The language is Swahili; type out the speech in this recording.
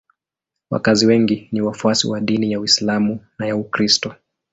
Wakazi wengi ni wafuasi wa dini ya Uislamu na ya Ukristo.